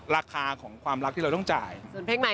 ราคาของความรักที่เราต้องจ่ายส่วนเพลงใหม่